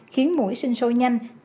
khiến mũi sinh sôi nhanh